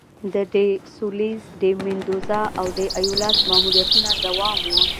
د ډي سولیز، ډي میندوزا او ډي ایولاس ماموریتونه دوام و.